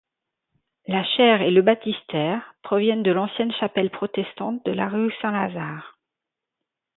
La chaire et le baptistère proviennent de l'ancienne chapelle protestante de la rue Saint-Lazare.